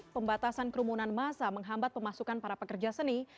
pembatasan kerumunan masa menghambat pemasukan para pekerja seni